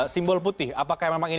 simbol putih apakah memang ini